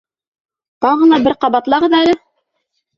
Тағы ла бер ҡабатлағыҙ әле!